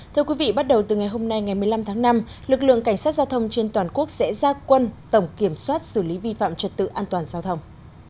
thưa quý vị bắt đầu từ ngày hôm nay ngày một mươi năm tháng năm lực lượng cảnh sát giao thông trên toàn quốc sẽ ra quân tổng kiểm soát xử lý vi phạm trật tự an toàn giao thông